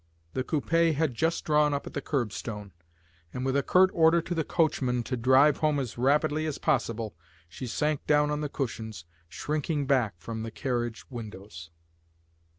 The coupé had just drawn up at the curbstone, and with a curt order to the coachman to drive home as rapidly as possible, she sank down on the cushions, shrinking back from the carriage windows.